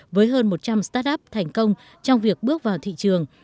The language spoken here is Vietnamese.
với hơn một trăm linh start up thành công trong việc bước vào thị trường